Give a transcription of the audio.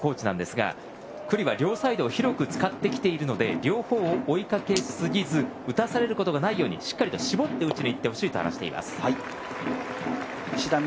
九里は両サイドを広く使ってきているので両方を追いかけすぎず、打たされることがないようにしっかりと絞って打ちにいってほしいと言っています。